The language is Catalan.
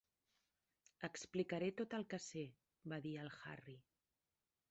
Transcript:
"Explicaré tot el que sé", va dir el Harry.